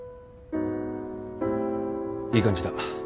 いい感じだ。